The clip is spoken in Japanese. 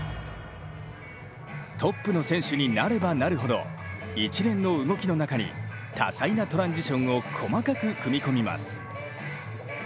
トップの選手になればなるほど一連の動きの中に多彩なトランジションを細かく組み込みます。